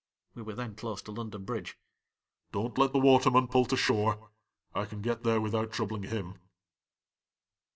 (We were then close to London Bridge.) "Don't let the waterman pull to shore ; I can get there without troubling him."